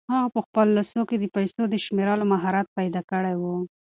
هغه په خپلو لاسو کې د پیسو د شمېرلو مهارت پیدا کړی و.